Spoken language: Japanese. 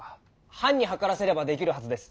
藩に測らせればできるはずです。